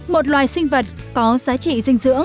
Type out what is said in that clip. một loài sinh vật có giá trị